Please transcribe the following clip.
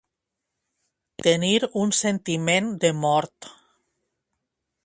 Tenir un sentiment de mort.